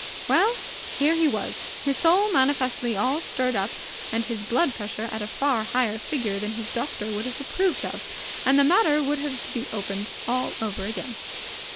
Well, here he was, his soul manifestly all stirred up and his blood pressure at a far higher figure than his doctor would have approved of, and the matter would have to be opened all over again.